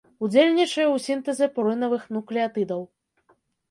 Ўдзельнічае ў сінтэзе пурынавых нуклеатыдаў.